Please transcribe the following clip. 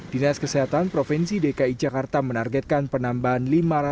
dinas kesehatan provinsi dki jakarta menargetkan penambahan